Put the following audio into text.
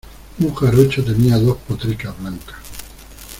un jarocho tenía dos potricas blancas.